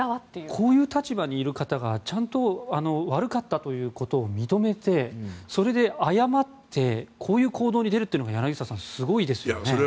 こういう立場にいる方がちゃんと悪かったと認めてそれで謝ってこういう行動に出るというのは柳澤さん、すごいですよね。